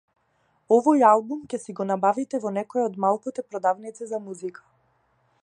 Овој албум ќе си го набавите во некоја од малкуте продавници за музика.